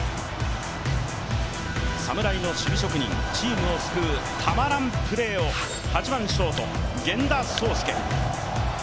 侍の守備職人、チームを救うたまらんプレーを８番ショート・源田壮亮。